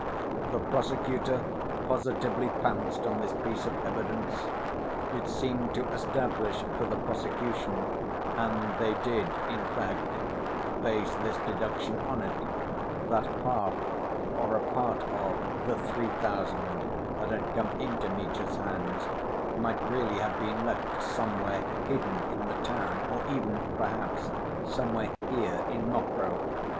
The prosecutor positively pounced on this piece of evidence. It seemed to establish for the prosecution (and they did, in fact, base this deduction on it) that half, or a part of, the three thousand that had come into Mitya's hands might really have been left somewhere hidden in the town, or even, perhaps, somewhere here, in Mokroe.